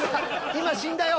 今死んだよ。